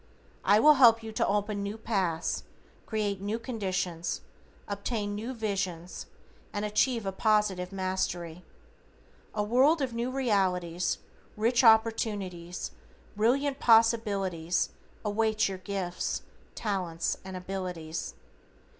I will help you to open new paths, create new conditions, obtain new vision, and achieve a positive mastery. A world of new realities, rich opportunities, brilliant possibilities awaits your gifts, talents and abilities.